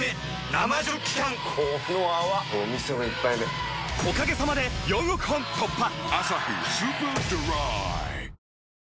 生ジョッキ缶この泡これお店の一杯目おかげさまで４億本突破！